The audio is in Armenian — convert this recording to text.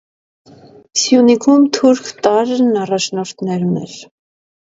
Սյունիքում թուրք տարրն առաջնորդներ ուներ։